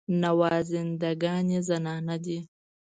نوازنده ګان یې زنانه دي.